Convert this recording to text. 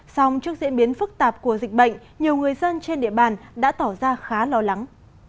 xong trước diễn biến phức tạp của dịch bệnh nhiều người dân trên địa bàn đã tỏ ra khá lo lắng